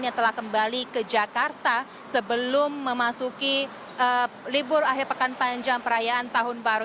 yang telah kembali ke jakarta sebelum memasuki libur akhir pekan panjang perayaan tahun baru